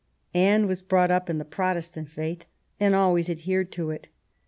Anne was brought up in the Protestant faith, and always adhered to it.